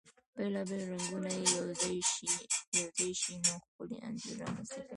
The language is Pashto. بيلا بيل رنګونه چی يو ځاي شي ، نو ښکلی انځور رامنځته کوي .